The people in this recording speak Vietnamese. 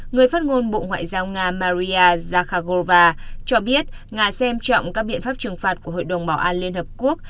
người phát ngôn bộ ngoại giao nga maria zakhagova cho biết nga xem trọng các biện pháp trừng phạt của hội đồng bảo an liên hợp quốc